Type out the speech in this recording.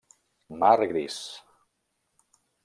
Mar gris.